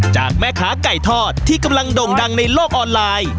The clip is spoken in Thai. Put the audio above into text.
จากแม่ค้าไก่ทอดที่กำลังด่งดังในโลกออนไลน์